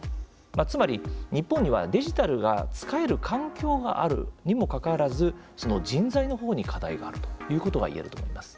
つまり、日本にはデジタルが使える環境があるにもかかわらずその人材のほうに課題があるということが言えると思います。